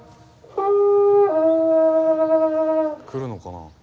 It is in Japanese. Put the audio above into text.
来るのかな？